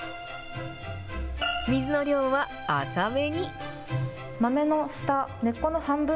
水の量は浅めに。